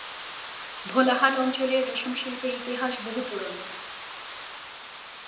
ভোলাহাট অঞ্চলের রেশম শিল্পের ইতিহাস বহু পুরানো।